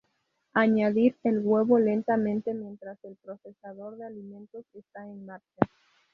Añadir el huevo lentamente mientras el procesador de alimentos está en marcha.